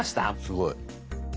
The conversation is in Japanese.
すごい。